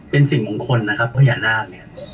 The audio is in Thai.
เป็นสิ่งมงคลนะครับพญานาคเนี่ย